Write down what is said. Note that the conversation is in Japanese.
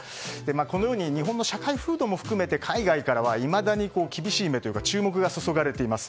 このように日本の社会風土も含め海外からはいまだに厳しい目というか注目が注がれています。